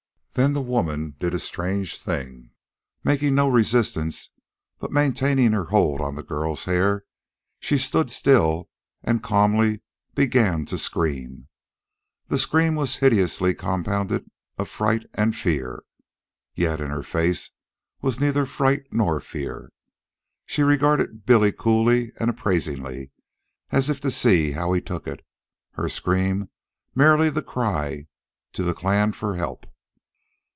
Then the woman did a strange thing. Making no resistance, but maintaining her hold on the girl's hair, she stood still and calmly began to scream. The scream was hideously compounded of fright and fear. Yet in her face was neither fright nor fear. She regarded Billy coolly and appraisingly, as if to see how he took it her scream merely the cry to the clan for help.